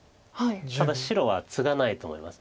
ただ白はツガないと思います。